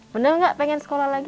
bener enggak pengen sekolah lagi